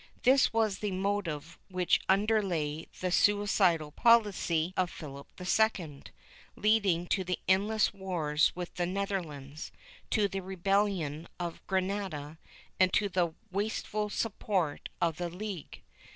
This was the motive which underlay the suicidal policy of Philip II, leading to the endless wars with the Netherlands, to the rebellion of Granada and to the wasteful support of the Ligue.